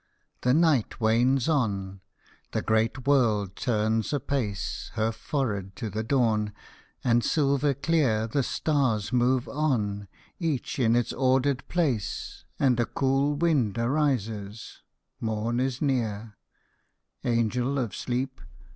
The night wanes on :— the great world turns apace Her forehead to the dawn ; and silver clear The stars move on, each in its ordered place, And a cool wind arises :— morn is near,— Angel of sleep